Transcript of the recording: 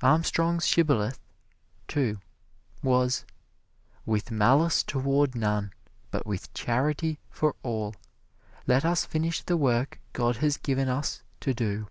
Armstrong's shibboleth, too, was, "With malice toward none, but with charity for all, let us finish the work God has given us to do."